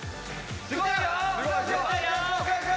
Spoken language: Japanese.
すごいよ！